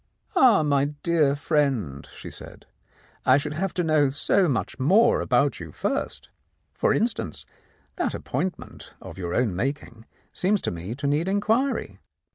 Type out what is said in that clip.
"Ah, my dear friend," she said, "I should have to know so much more about you first. For instance, that appointment of your own making seems to me to need inquiry.